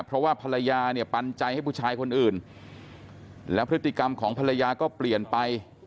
เพราะว่าภรรยาเนี่ยปันใจให้ผู้ชายคนอื่นแล้วพฤติกรรมของภรรยาก็เปลี่ยนไป